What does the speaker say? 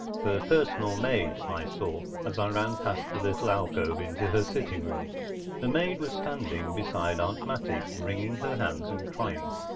Her own personal maid, I saw, as I ran past the little alcove into the sitting room. The maid was standing beside Aunt Mattie, wringing her hands and crying.